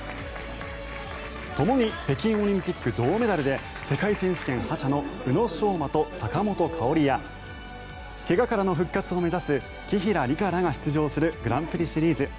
ともに北京オリンピック銅メダルで世界選手権覇者の宇野昌磨と坂本花織や怪我からの復活を目指す紀平梨花らが出場するグランプリシリーズ。